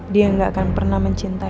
dia gak akan pernah mencintai